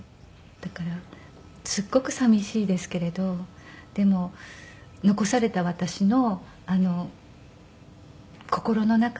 だからすっごく寂しいですけれどでも残された私の心の中で生き続ける。